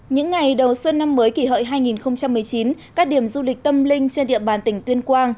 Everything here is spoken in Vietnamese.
những ngày đầu xuân năm mới kỷ hợi hai nghìn một mươi chín các điểm du lịch tâm linh trên địa bàn tỉnh tuyên quang